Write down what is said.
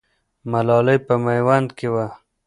ملالۍ په میوند کې وه.